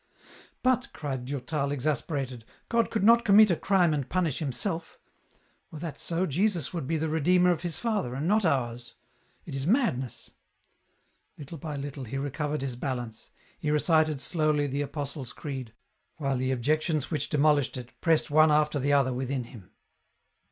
" But," cried Durtal, exasperated, " God could not commit a crime and punish Himself : were that so, Jesus would be the Redeemer of His Father, and not ours ; it is madness !" Little by little he recovered his balance ; he recited slowly the Apostles' Creed, while the objections which de molished it, pressed one after the other within him.